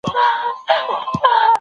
دولتي پلان څېړنو ته سم لوری ورکوي.